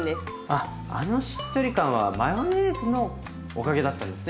あっあのしっとり感はマヨネーズのおかげだったんですね。